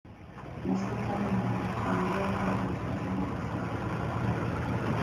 na sita na alichaguliwa kuwa rais wa chama cha siasa cha umoja wa afrika